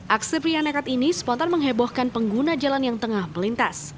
aksi pria nekat ini spontan menghebohkan pengguna jalan yang tengah melintas